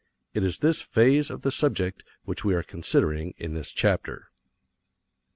It is this phase of the subject which we are considering in this chapter.